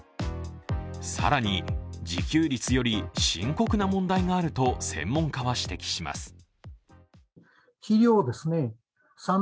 更に自給率より深刻な問題があると専門家は指摘します。